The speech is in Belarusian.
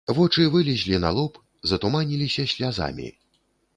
Вочы вылезлі на лоб, затуманіліся слязамі.